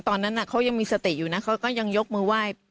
ตอนนั้นเขายังมีสติอยู่นะเขาก็ยังยกมือไหว้